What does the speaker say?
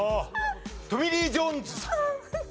トミー・リー・ジョーンズさん。